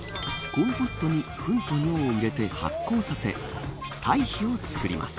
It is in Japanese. コンポストにふんと尿を入れて発酵させ堆肥を作ります。